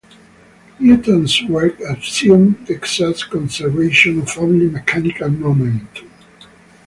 Newton's work assumed the exact conservation of only mechanical momentum.